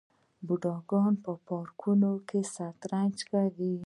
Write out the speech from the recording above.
بوډاګان په پارکونو کې شطرنج کوي.